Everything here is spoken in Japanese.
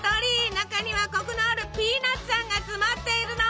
中にはコクのあるピーナツあんが詰まっているの！